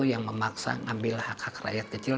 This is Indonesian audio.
yang memaksa ngambil hak hak rakyat kecil